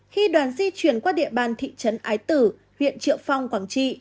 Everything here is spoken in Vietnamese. khi đoàn di chuyển qua địa bàn thị trấn ái tử huyện triệu phong quảng trị